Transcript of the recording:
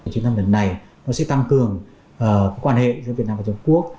chuyến thăm lần này nó sẽ tăng cường quan hệ giữa việt nam và trung quốc